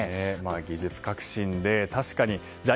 技術革新で確かにじゃあ